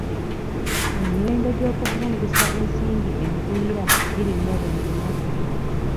Emiwendo gy'okuvungisa ensimbi engwiira girinnya buli lunaku.